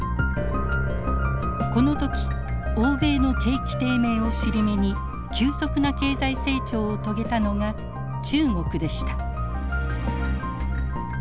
この時欧米の景気低迷を尻目に急速な経済成長を遂げたのが中国でした。